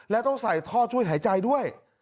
และต้องใส่ท่อช่วยหายใจด้วย